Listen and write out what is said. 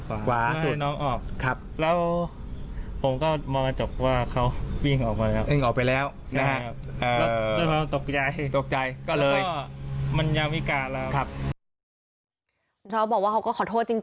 เขาบอกว่าเขาก็ขอโทษจริง